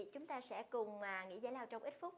chúng ta sẽ cùng nghỉ giải lao trong ít phút